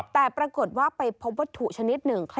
แต่ปรากฏว่าไปพบวัตถุชนิดหนึ่ง